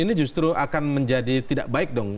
ini justru akan menjadi tidak baik dong